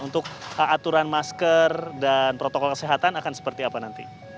untuk aturan masker dan protokol kesehatan akan seperti apa nanti